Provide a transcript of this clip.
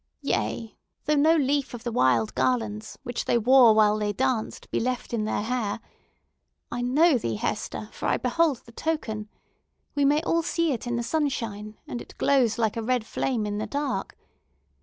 Yea, though no leaf of the wild garlands which they wore while they danced be left in their hair! I know thee, Hester, for I behold the token. We may all see it in the sunshine! and it glows like a red flame in the dark.